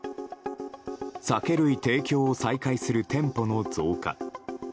酒類提供を再開する店舗の増加